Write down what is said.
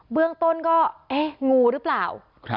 เบื้องต้นก็เอ๊ะงูหรือเปล่า